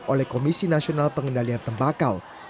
oleh komisi nasional pengendalian tembakau